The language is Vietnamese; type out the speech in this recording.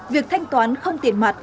việc thanh toán không tiền mặt